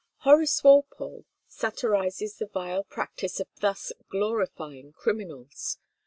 Horace Walpole satirizes the vile practice of thus glorifying criminals.